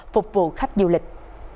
phục vụ khách du lịch